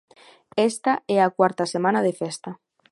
Esta é a cuarta semana de festa.